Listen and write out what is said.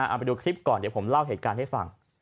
เอาไปดูคลิปก่อนเดี๋ยวผมเล่าเหตุการณ์ให้ฟัง